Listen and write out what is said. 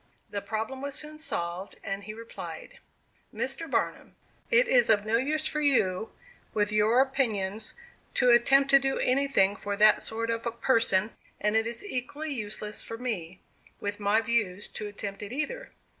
The problem was soon solved, and he replied: "Mr. Barnum, it is of no use for you, with your opinions, to attempt to do anything for that sort of a person; and it is equally useless for me, with my views, to attempt it either.